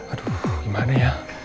aduh gimana ya